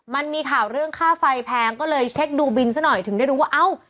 มันมีข่าวเรื่องค่าไฟแพงก็เลยเช็คดูบินซะหน่อยถึงได้รู้ว่าเอ้า